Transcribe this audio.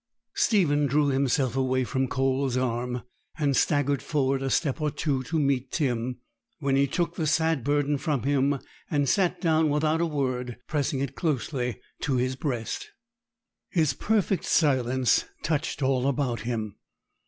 Stephen drew himself away from Cole's arm, and staggered forward a step or two to meet Tim; when he took the sad burden from him, and sat down without a word, pressing it closely to his breast. His perfect silence touched all about him.